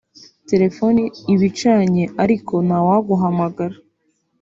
Telefoni iba icanye ariko ntawaguhamagara)